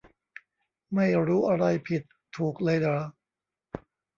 ไม่รู้อะไรผิดถูกเลยเหรอ